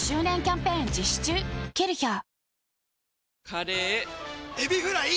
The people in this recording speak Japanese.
カレーエビフライ！